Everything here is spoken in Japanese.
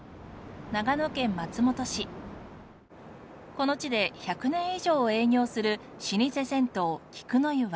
この地で１００年以上営業する老舗銭湯菊の湯は。